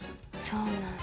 そうなんだ。